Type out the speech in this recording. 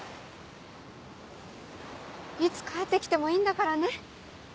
いつ帰って来てもいいんだからね。